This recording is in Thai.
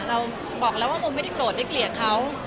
เราบอกแล้วว่าโมไม่ได้โกรธได้เกลียดเขา